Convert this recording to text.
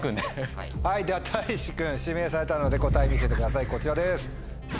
ではたいし君指名されたので答え見せてくださいこちらです。